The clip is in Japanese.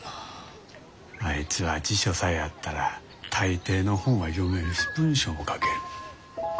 あいつは辞書さえあったら大抵の本は読めるし文章も書ける。